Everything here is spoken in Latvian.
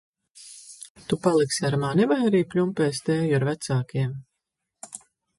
Tu paliksi ar mani vai arī pļumpēsi tēju ar vecākiem?